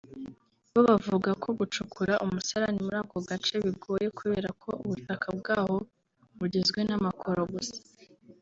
bo bavuga ko gucukura umusarani muri ako gace bigoye kubera ko ubutaka bwaho bugizwe n’amakoro gusa